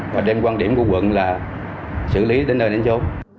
và đem quan điểm của quận là xử lý đến nơi đến chỗ